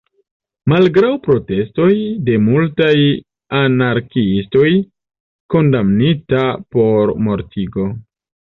Malgraŭ protestoj de multaj anarkiistoj, kondamnita por mortigo.